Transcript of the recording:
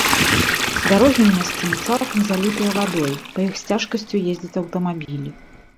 Дарогі месцамі цалкам залітыя вадой, па іх з цяжкасцю ездзяць аўтамабілі.